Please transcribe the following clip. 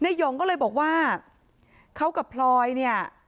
นี่หย่องก็เลยบอกว่าเขากับพรอยเนี้ย